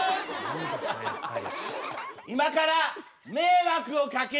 今から迷惑をかけるよ！